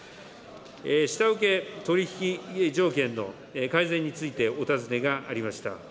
下請け取引条件の改善についてお尋ねがありました。